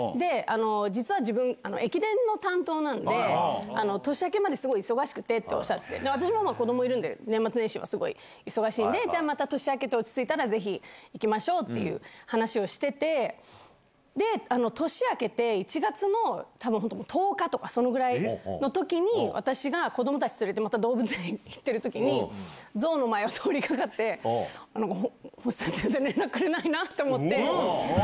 実は自分、駅伝の担当なんで、年明けまですごい忙しくってっておっしゃってて、私も子どもいるんで、年末年始はすごい忙しいんで、じゃあまた、年明けて落ち着いたらまた行きましょうって、話をしてて、で、年明けて、１月のたぶん、本当、１０日とかそのぐらいのときに、私が子どもたち連れて、また動物園行ってるときに、ゾウの前を通りかかって、なんか星さん、全然連絡くれないなと思って。